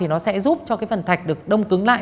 nó sẽ giúp cho phần thạch đông cứng lại